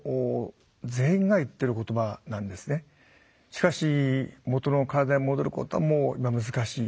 しかし元の体に戻ることはもう難しい。